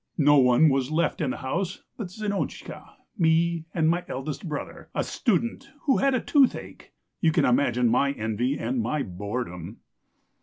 No one was left in the house but Zinotchka, me, and my eldest brother, a student, who had toothache. You can imagine my envy and my boredom.